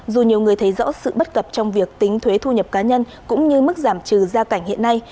dù nhiều người thấy rõ sự bất cập trong việc tính thuế thu nhập cá nhân cũng như mức giảm trừ gia cảnh hiện nay